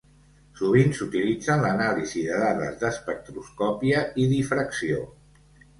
Sovint s'utilitza en l'anàlisi de dades d'espectroscòpia i difracció.